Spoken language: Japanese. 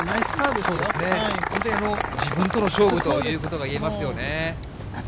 本当に自分との勝負ということが言えますよね。